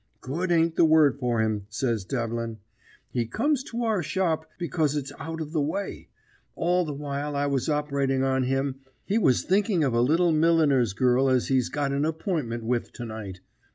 "Good ain't the word for him," says Devlin. "He comes to our shop because it's out of the way. All the while I was operating on him he was thinking of a little milliner's girl as he's got an appointment with to night.